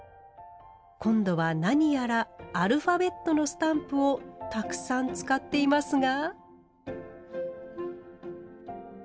今度は何やらアルファベットのスタンプをたくさん使っていますが？